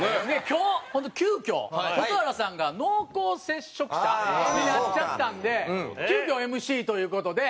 今日本当急きょ蛍原さんが濃厚接触者になっちゃったんで急きょＭＣという事で。